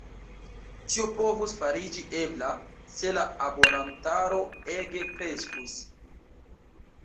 Tio povus fariĝi ebla, se la abonantaro ege kreskus.